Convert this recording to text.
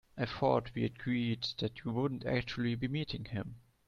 I thought we'd agreed that you wouldn't actually be meeting him?